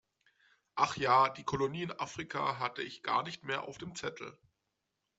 Ach ja, die Kolonie in Afrika hatte ich gar nicht mehr auf dem Zettel.